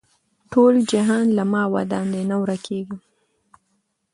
ټول جهان له ما ودان دی نه ورکېږم